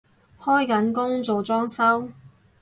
開緊工做裝修？